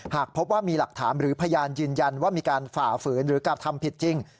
หากพบว่ามีหลักฐานหรือพยานยืนยันว่ามีการฝ่าฝืนหรือกระทำผิดจริง